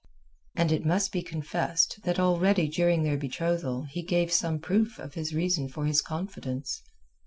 And it must be confessed that already during their betrothal he gave some proof of his reason for his confidence.